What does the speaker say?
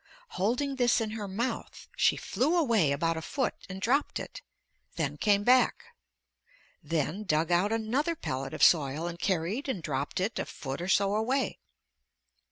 Holding this in her mouth, she flew away about a foot and dropped it. Then came back. Then dug out another pellet of soil and carried and dropped it a foot or so away.